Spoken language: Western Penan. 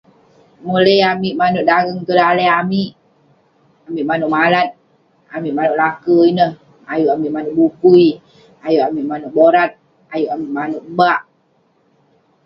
Mole amik manouk dageng tong daleh amik. Amik manouk malat, amik manouk lake ineh. Ayuk amik manouk bukui, ayuk amik manouk borat. Ayuk amik manouk bak.